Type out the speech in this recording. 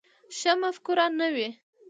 ښه مفکوره نه وي.